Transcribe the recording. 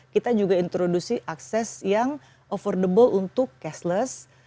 kita juga introduksi akses yang affordable untuk cashless